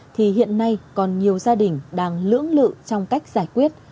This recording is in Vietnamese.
thì hiện nay còn nhiều gia đình đang lưỡng lự trong cách giải quyết